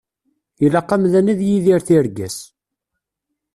Ilaq amdan ad yidir tirga-s.